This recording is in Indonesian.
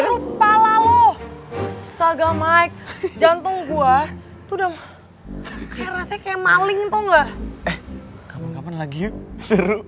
rupa lalu staga mike jantung gua udah kayak maling tunggu lagi seru